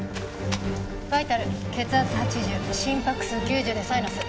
バイタル血圧８０心拍数９０でサイナス。